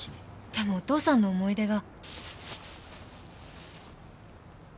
でもお父さんの思い出が。